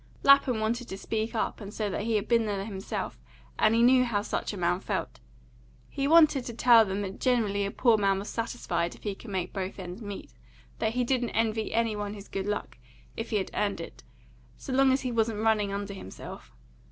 Lapham wanted to speak up and say that he had been there himself, and knew how such a man felt. He wanted to tell them that generally a poor man was satisfied if he could make both ends meet; that he didn't envy any one his good luck, if he had earned it, so long as he wasn't running under himself.